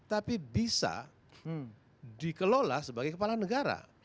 tapi bisa dikelola sebagai kepala negara